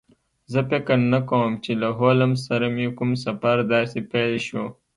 زه فکر نه کوم چې له هولمز سره مې کوم سفر داسې پیل شو